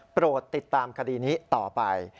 โปรดติดตามคดีนี้ต่อไป